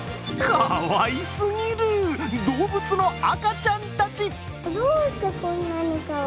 かわいすぎる動物の赤ちゃんたち。